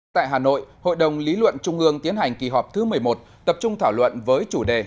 tại hà nội hội đồng lý luận trung ương tiến hành kỳ họp thứ một mươi một tập trung thảo luận với chủ đề